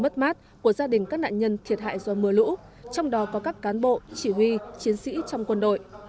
các nạn nhân thiệt hại do mưa lũ trong đó có các cán bộ chỉ huy chiến sĩ trong quân đội